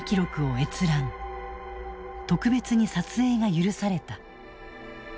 特別に撮影が許された。